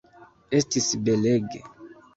Estis belege.